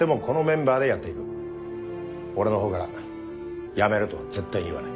俺の方から辞めろとは絶対に言わない。